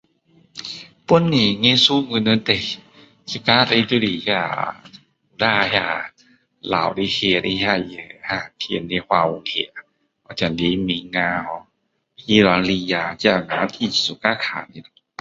本地艺术我们最最兴趣的就是那个那那看的华语的演的华语戏很像黎明啊 ho P Ramlee 啊这我们很喜欢看